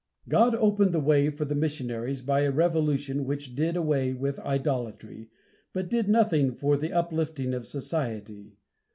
God opened the way for the missionaries by a revolution which did away with idolatry, but did nothing for the uplifting of society.